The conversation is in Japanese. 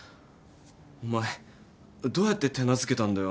お前どうやって手なずけたんだよ